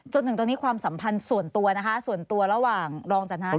จนถึงตอนนี้ความสัมพันธ์ส่วนตัวนะคะส่วนตัวระหว่างรองสันทนากับประปัตย์